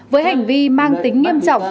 với hành vi mang tính nghiêm trọng